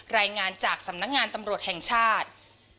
รายงานจากสำนักงานตำรวจแห่งชาติ